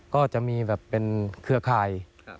ก็จะมีแบบเป็นเครือข่าย